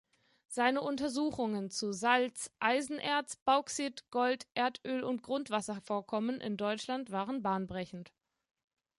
Seine Untersuchungen zu Salz-, Eisenerz-, Bauxit-, Gold-, Erdöl- und Grundwasservorkommen in Deutschland waren bahnbrechend.